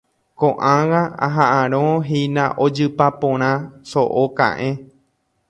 Ko'ág̃a aha'ãrõhína ojypa porã so'o ka'ẽ.